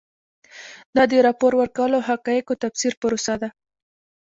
دا د راپور ورکولو او حقایقو د تفسیر پروسه ده.